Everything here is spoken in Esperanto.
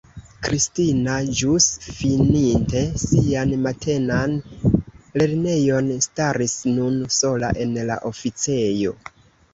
Kristina, ĵus fininte sian matenan lernejon, staris nun sola en la oficejo.